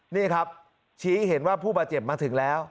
นี่ครับชี้เห็นว่าผู้บาดเจ็บมาถึงแล้ว